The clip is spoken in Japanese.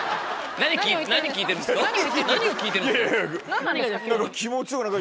何を聞いてるんですか？